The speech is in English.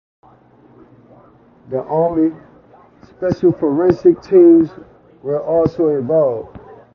The Army and special forensic teams were also involved.